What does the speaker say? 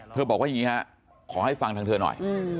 บอกว่าอย่างนี้ฮะขอให้ฟังทางเธอหน่อย